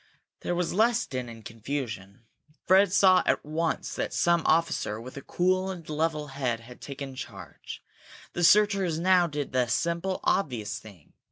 There was less din and confusion. Fred saw at once that some officer with a cool and level head had taken charge. The searchers now did the simple, obvious thing.